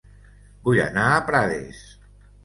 Vull anar a Prades